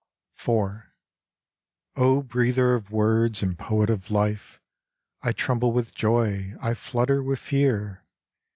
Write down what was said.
IV. "O breather of words And poet of life, I tremble with joy, I flutter with fear!